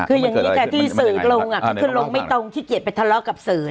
คือยังไงแต่ที่สื่ออีกลงน่ะคือลงไม่ต้องตรงจี้เกียจไปทะเลาะกับสื่อนะ